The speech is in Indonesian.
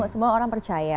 semua orang percaya